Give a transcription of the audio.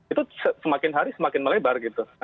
itu semakin hari semakin melebar gitu